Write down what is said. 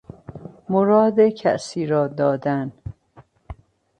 مراد کسیرا دادن